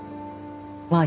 まあ